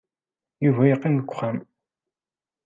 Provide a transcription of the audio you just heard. Yuba yeqqim deg wexxam.